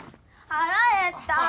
腹減ったぁ。